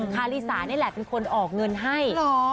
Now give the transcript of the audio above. คาริสานี่แหละเป็นคนออกเงินให้